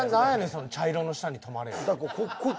その「茶色の下に止まれよ」って。